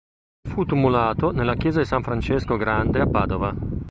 Fu tumulato nella chiesa di San Francesco Grande a Padova.